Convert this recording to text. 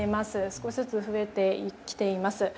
少しずつ増えてきています。